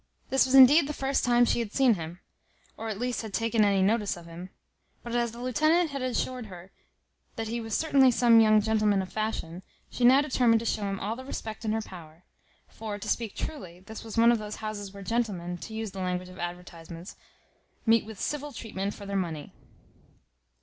This was indeed the first time she had seen him, or at least had taken any notice of him; but as the lieutenant had assured her that he was certainly some young gentleman of fashion, she now determined to show him all the respect in her power; for, to speak truly, this was one of those houses where gentlemen, to use the language of advertisements, meet with civil treatment for their money.